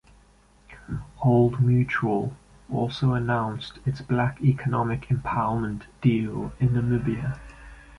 Old Mutual also announced its Black Economic Empowerment deal in Namibia.